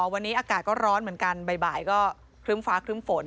วันนี้อากาศก็ร้อนเหมือนกันบ่ายก็ครึ้มฟ้าครึ้มฝน